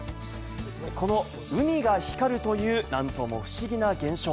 この海が光るという、何とも不思議な現象。